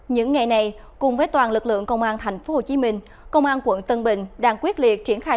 những ngày này cùng với toàn lực lượng công an tp hcm công an quận tân bình đang quyết liệt triển khai